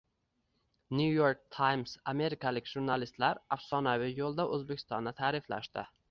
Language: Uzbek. “New York Times”: amerikalik jurnalistlar afsonaviy yoʻlda Oʻzbekistonni taʼrifladi